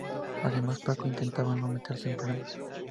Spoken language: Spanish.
Además, Paco intentará no meterse en problemas.